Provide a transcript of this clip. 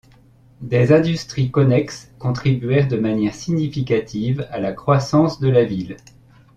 Des industries connexes contribuèrent de manière significative à la croissance de la ville.